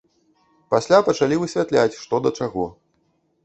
Пасля пачалі высвятляць, што да чаго.